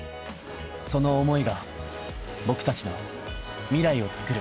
その思いが僕達の未来をつくる